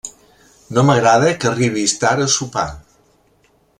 No m'agrada que arribis tard a sopar.